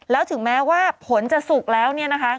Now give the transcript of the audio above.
แล้วถึงแม้ว่าผลจะสุกแล้วเนี่ยนะคะ